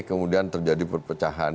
kemudian terjadi perpecahan